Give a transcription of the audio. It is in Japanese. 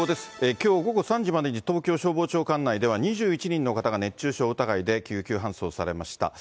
きょう午後３時までに東京消防庁管内では、２１人の方が熱中症疑いで救急搬送されました。